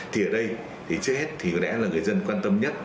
thì ở đây thì trước hết thì có lẽ là người dân quan tâm nhất